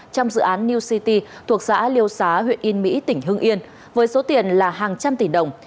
trong dự án new city thuộc xã liêu xá huyện yên mỹ tỉnh hưng yên với số tiền là hàng trăm tỷ đồng